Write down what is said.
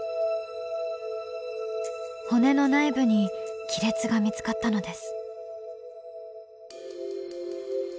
骨の内部に亀裂が見つかったのです。